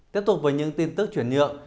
tiếp tục với những tin tức chuyển nhượng